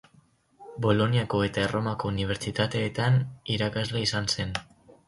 Boloniako eta Erromako unibertsitateetan irakasle izan zen.